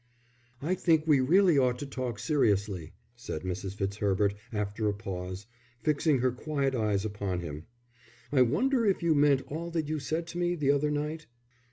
"I think we really ought to talk seriously," said Mrs. Fitzherbert after a pause, fixing her quiet eyes upon him. "I wonder if you meant all that you said to me the other night?"